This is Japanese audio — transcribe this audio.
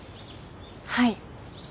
はい。